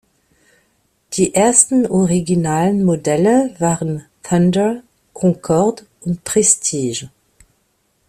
Die ersten originalen Modelle waren "„Thunder“", "„Concorde“" und "„Prestige“".